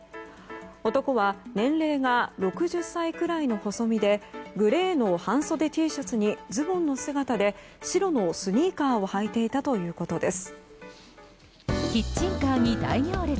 男は年齢が６０歳くらいの細身でグレーの半袖Ｔシャツにズボンの姿で白のスニーカーを履いていたということです。